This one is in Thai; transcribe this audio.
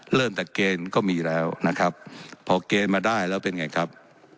เริ่มแต่เกณฑ์ก็มีแล้วนะครับพอเกณฑ์มาได้แล้วเป็นไงครับ